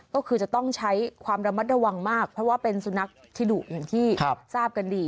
ก็คือจะต้องใช้ความระมัดระวังมากเพราะว่าเป็นสุนัขที่ดุอย่างที่ทราบกันดี